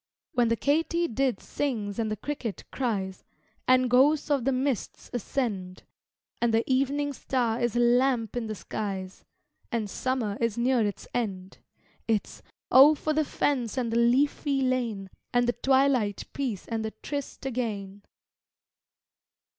When the katydid sings and the cricket cries, And ghosts of the mists ascend, And the evening star is a lamp i' the skies, And summer is near its end It's Oh, for the fence and the leafy lane, And the twilight peace and the tryst again!